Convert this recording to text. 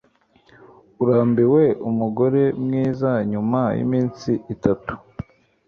Urambiwe umugore mwiza nyuma yiminsi itatu